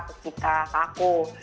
keku kak kaku